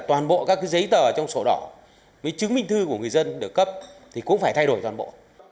toàn bộ các giấy tờ trong sổ đỏ với chứng minh thư của người dân được cấp thì cũng phải thay đổi toàn bộ